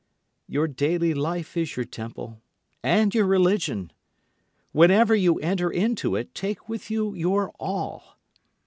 Your daily life is your temple and your religion. Whenever you enter into it take with you your all.